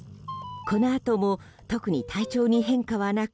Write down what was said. このあとも特に体調に変化はなく